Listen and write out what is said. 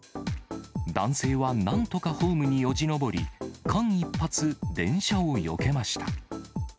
男性はなんとかホームによじ登り、間一髪、電車をよけました。